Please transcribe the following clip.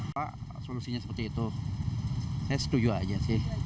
pak solusinya seperti itu saya setuju aja sih